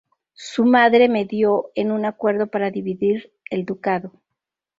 Su madre medió en un acuerdo para dividir el ducado.